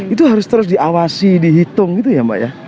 itu harus terus diawasi dihitung gitu ya mbak ya